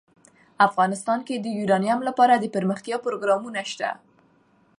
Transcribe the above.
افغانستان کې د یورانیم لپاره دپرمختیا پروګرامونه شته.